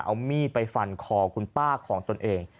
เอามีดไปฟันคอคุณป้าของตนเอง